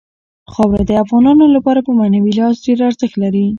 خاوره د افغانانو لپاره په معنوي لحاظ ډېر ارزښت لري.